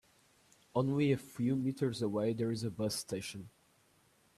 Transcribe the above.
Only a few meters away there is a bus station.